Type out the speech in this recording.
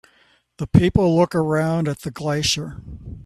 The people look around at the glacier